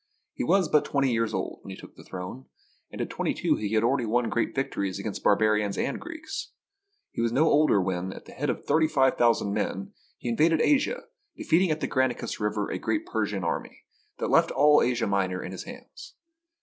He was but twenty years old when he took the throne, and at twenty two had already won great victories against barbarians and Greeks. He was no older when, at the head of thir ty five thousand men, he invaded Asia, defeating at the Granicus River a great Persian army, that left all Asia Minor in his hands.